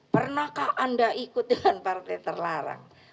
pernahkah anda ikut dengan partai terlarang